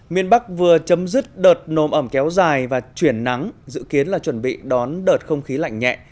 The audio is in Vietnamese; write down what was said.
miền bắc vừa chấm dứt đợt nồm ẩm kéo dài và chuyển nắng dự kiến là chuẩn bị đón đợt không khí lạnh nhẹ